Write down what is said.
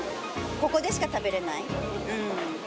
ここでしか食べれない。